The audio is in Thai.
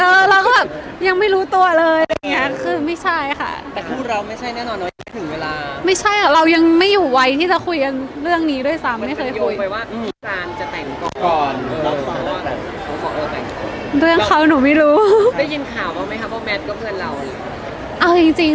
เออเราก็แบบยังไม่รู้ตัวเลยอย่างเงี้ยคือไม่ใช่ค่ะแต่คู่เราไม่ใช่